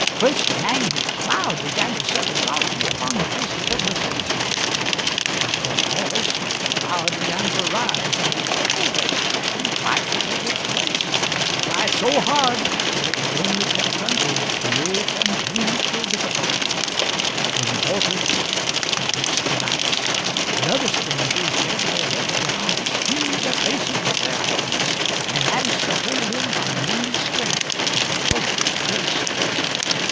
First an angry cloud began to settle darkly upon the faces of the citizenship; after a pause the cloud began to rise, and a tickled expression tried to take its place; tried so hard that it was only kept under with great and painful difficulty; the reporters, the Brixtonites, and other strangers bent their heads down and shielded their faces with their hands, and managed to hold in by main strength and heroic courtesy.